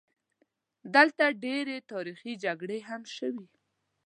دلته ډېرې تاریخي جګړې هم شوي.